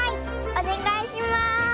おねがいします！